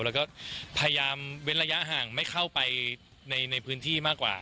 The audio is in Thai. แล้วก็พยายามเว้นระยะห่างไม่เข้าไปในพื้นที่มากกว่า